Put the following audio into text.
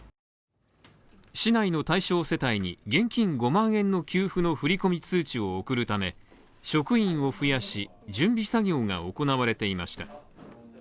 市内の対象世帯に現金５万円の給付の振込通知を送るため、職員を増やし、準備作業が行われていました。